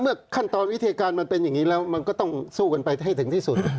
ขั้นตอนวิธีการมันเป็นอย่างนี้แล้วมันก็ต้องสู้กันไปให้ถึงที่สุด